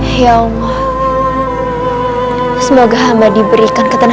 hanya tres agar kamu dapat kemusnah